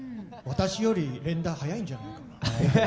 私より連打速いんじゃないかな？